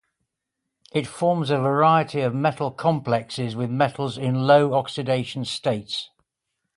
It forms a variety of metal complexes with metals in low oxidation states.